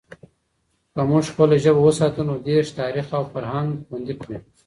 که موږ خپله ژبه وساتو، نو دیرش تاریخ او فرهنگ خوندي کړي.